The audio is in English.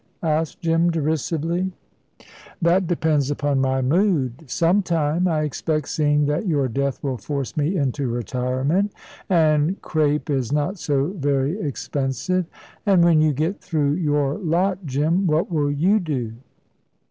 asked Jim, derisively. "That depends upon my mood. Some time, I expect, seeing that your death will force me into retirement, and crape is not so very expensive. And when you get through your lot, Jim, what will you do?"